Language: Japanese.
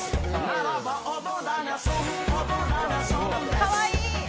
かわいい！